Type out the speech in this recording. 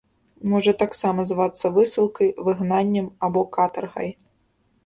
Можа таксама звацца высылкай, выгнаннем або катаргай.